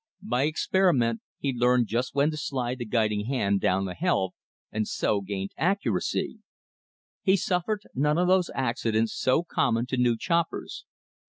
By experiment he learned just when to slide the guiding hand down the helve; and so gained accuracy. He suffered none of those accidents so common to new choppers.